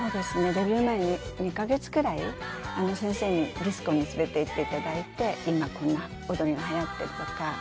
デビュー前に２カ月くらい先生にディスコに連れて行って頂いて今こんな踊りが流行ってるとか。